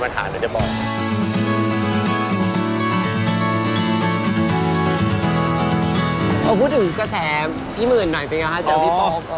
โหพูดถึงสะแสพี่หมื่นหน่อยเป็นไงฮะเจอกับพี่ป๋อง